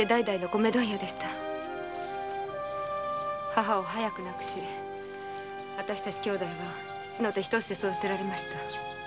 母を早く亡くしわたしたち姉弟は父の手一つで育てられました。